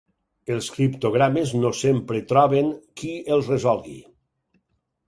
Els criptogrames no sempre troben qui els resolgui.